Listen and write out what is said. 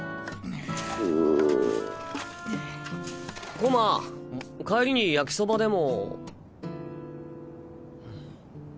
駒帰りに焼きそばでも。